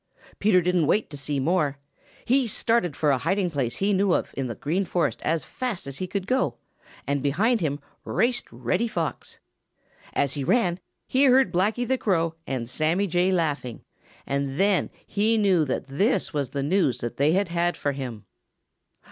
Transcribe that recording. Peter didn't wait to see more. He started for a hiding place he knew of in the Green Forest as fast as he could go, and behind him raced Reddy Fox. As he ran, he heard Blacky the Crow and Sammy Jay laughing, and then he knew that this was the news that they had had for him.